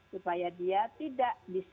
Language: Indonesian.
supaya dia tidak bisa